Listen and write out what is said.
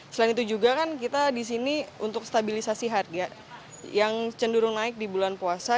selain itu juga kan kita di sini untuk stabilisasi harga yang cenderung naik di bulan puasa